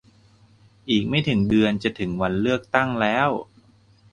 อีกไม่ถึงเดือนจะถึงวันเลือกตั้งแล้ว !